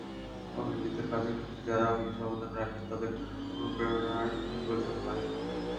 তবে নিজেদের কাজের ক্ষেত্রে যাঁরা বিশেষ অবদান রাখেন তাঁদের অনুপ্রেরণার প্রয়োজন হয়।